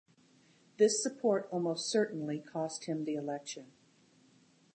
This support almost certainly cost him the election.